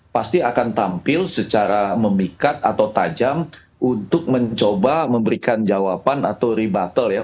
pasti akan tampil secara memikat atau tajam untuk mencoba memberikan jawaban atau rebuttal ya